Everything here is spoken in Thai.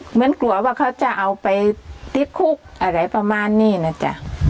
เหมือนกลัวว่าเขาจะเอาไปติดคุกอะไรประมาณนี้นะจ๊ะ